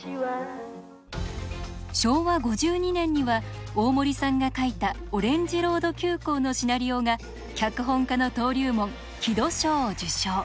昭和５２年には大森さんが書いた「オレンジロード急行」のシナリオが脚本家の登竜門城戸賞を受賞。